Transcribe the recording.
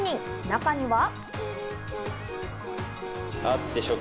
中には。